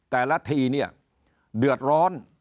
แต่ละทีเนี่ยเดือดร้อน